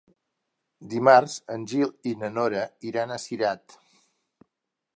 Dimarts en Gil i na Nora iran a Cirat.